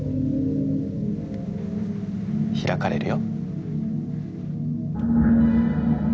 開かれるよ。